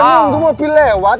nunggu mobil lewat